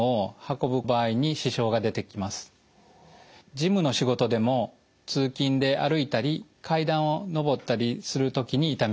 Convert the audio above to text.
事務の仕事でも通勤で歩いたり階段を上ったりする時に痛みます。